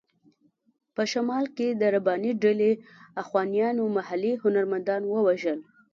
په شمال کې د رباني ډلې اخوانیانو محلي هنرمندان ووژل.